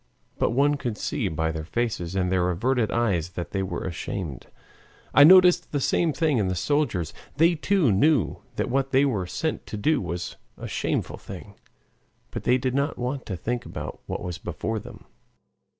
But one could see by their faces and their averted eyes that they were ashamed. I noticed the same thing in the soldiers. They too knew that what they were sent to do was a shameful thing, but they did not want to think about what was before them.